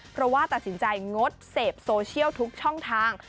เพราะว่าตัดสินใจงดเสพโซเชียลทุกช่องทาง